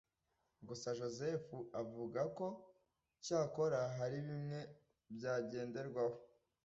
Gusa joseph avugako cyakora hari bimwe byagenderwaho.